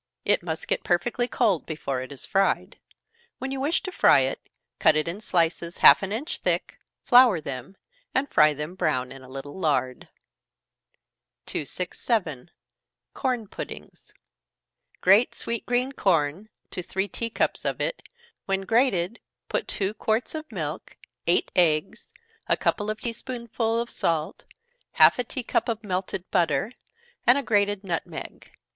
It must get perfectly cold before it is fried. When you wish to fry it, cut it in slices half an inch thick, flour them, and fry them brown in a little lard. 267. Corn Puddings. Grate sweet green corn to three tea cups of it, when grated, put two quarts of milk, eight eggs, a couple of tea spoonsful of salt, half a tea cup of melted butter, and a grated nutmeg.